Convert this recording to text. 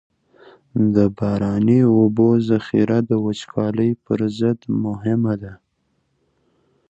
د باراني اوبو ذخیره د وچکالۍ پر ضد مهمه ده.